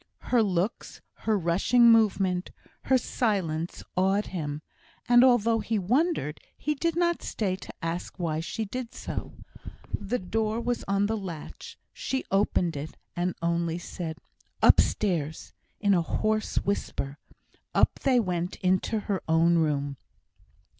Her looks, her rushing movement, her silence, awed him; and although he wondered, he did not stay to ask why she did so. The door was on the latch; she opened it, and only said, "Upstairs," in a hoarse whisper. Up they went into her own room.